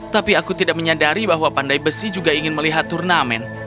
tapi aku tidak menyadari bahwa pandai besi juga ingin melihat turnamen